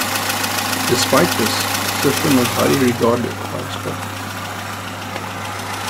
Despite this, Sifton was highly regarded by his colleagues.